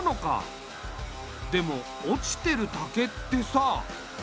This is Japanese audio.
でも落ちてる竹ってさ。